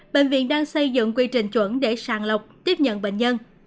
bệnh viện đang xây dựng quy trình chuẩn để sàng lọc tiếp nhận bệnh nhân